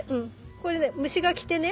これね虫が来てね